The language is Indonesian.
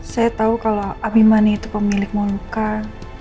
saya tau kalau abimana itu pemilik mahlukah